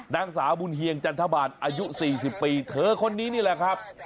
นางสาวบุญเฮียงจันทบาทอายุ๔๐ปีเธอคนนี้นี่แหละครับ